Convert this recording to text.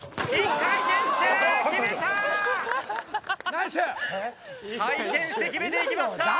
回転して決めていきました。